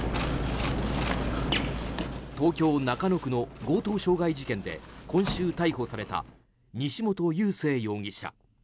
東京・中野区の強盗傷害事件で今週、逮捕された西本佑聖容疑者。